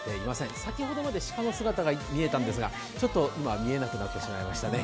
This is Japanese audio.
先ほどまで人の姿が見えたんですがちょっと今は見えなくなってしまいましたね。